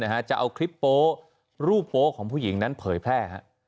การเล่าคลิปโปร์รูปโปร์ของผู้หญิงนั้นเผยแพร่